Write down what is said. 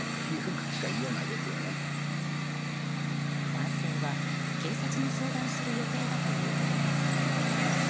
男性は、警察に相談する予定だということです。